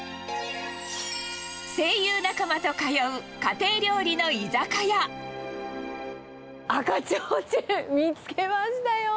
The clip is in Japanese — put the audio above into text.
声優仲間と通う家庭料理の居赤ちょうちん、見つけましたよ。